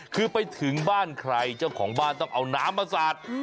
คือไปถึงบ้านใครเจ้าของบ้านต้องเอาน้ำมาสาด